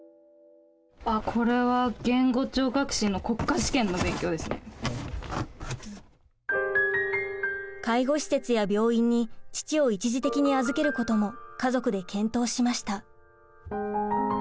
これは介護施設や病院に父を一時的に預けることも家族で検討しました。